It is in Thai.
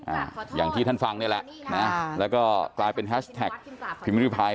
อ่าอย่างที่ท่านฟังได้แหละนะแล้วก็ดราบเป็นพีมลี้ไพด์